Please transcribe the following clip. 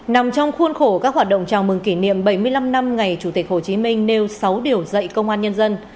nằm trong khuôn khổ các hoạt động chào mừng kỷ niệm bảy mươi năm năm ngày chủ tịch hồ chí minh nêu sáu điều dạy công an nhân dân